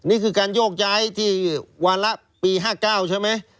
นี่คือการโยกย้ายที่วาระปี๕๙ใช่ไหม